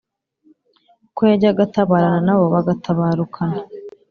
kuko yajyaga atabarana na bo bagatabarukana.